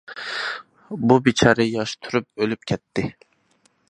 بۇ بىچارە ياش تۇرۇپ ئۆلۈپ كەتتى.